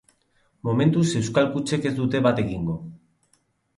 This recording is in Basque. Momentuz euskal kutxek ez dute bat egingo.